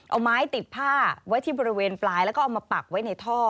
เอาไม้ติดผ้าไว้ที่บริเวณปลายแล้วก็เอามาปักไว้ในท่อ